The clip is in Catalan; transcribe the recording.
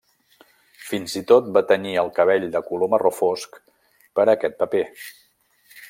Fins i tot va tenyir el cabell de color marró fosc per aquest paper.